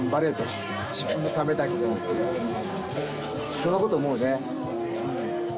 そんなこと思うね。